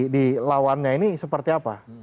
di lawannya ini seperti apa